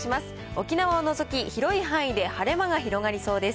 沖縄を除き、広い範囲で晴れ間が広がりそうです。